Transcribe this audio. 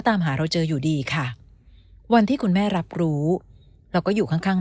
ตามหาเราเจออยู่ดีค่ะวันที่คุณแม่รับรู้เราก็อยู่ข้างข้าง